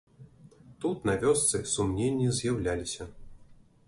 Тут, на вёсцы, сумненні з'яўляліся.